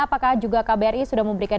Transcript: apakah juga kbri sudah memberikan